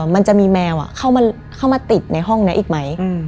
มันจะมีแมวเข้ามาติดในห้องนี้อีกไหม